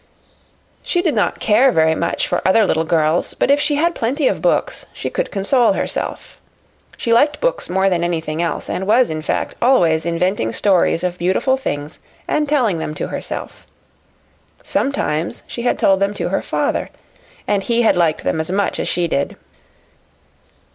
She did not care very much for other little girls, but if she had plenty of books she could console herself. She liked books more than anything else, and was, in fact, always inventing stories of beautiful things and telling them to herself. Sometimes she had told them to her father, and he had liked them as much as she did.